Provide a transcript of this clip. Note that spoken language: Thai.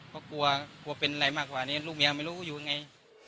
เพราะกลัวกลัวเป็นอะไรมากกว่านี้ลูกเมียไม่รู้อยู่ยังไง